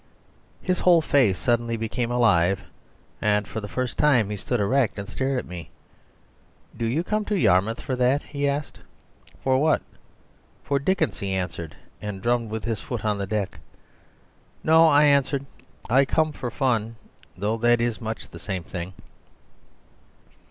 His whole face suddenly became alive, and for the first time he stood erect and stared at me. "Do you come to Yarmouth for that?" he asked. "For what?" "For Dickens," he answered, and drummed with his foot on the deck. "No," I answered; "I come for fun, though that is much the same thing."